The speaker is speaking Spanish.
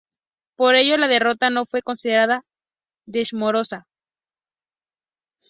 Por ello la derrota no fue considerada deshonrosa.